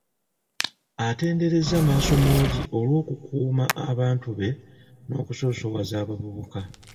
Atenderezza Maasomoogi olw'okukumaakuma abantu be n'okusosowaza abavubuka.